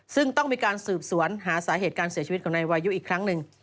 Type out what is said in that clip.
ซึ่งต้องมีการสืบสวนหาสาเหตุการเสียชีวิตของนายวายุอีกครั้งหนึ่ง